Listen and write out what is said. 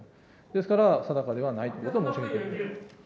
ですから、定かではないということを申し上げています。